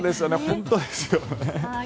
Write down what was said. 本当ですよね。